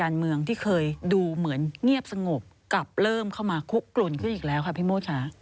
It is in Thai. การเมืองที่เคยดูเหมือนเงียบสงบกลับเริ่มเข้ามาคุกกลุ่นขึ้นอีกแล้วค่ะพี่โมชา